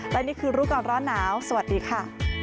และนี่คือรู้ก่อนร้อนหนาวสวัสดีค่ะ